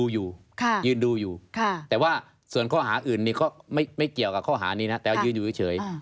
ยืนดูอยู่แต่ว่าส่วนข้อหาอื่นนี่ก็ไม่เกี่ยวกับข้อหานี้นะแต่ว่ายืนอยู่เฉย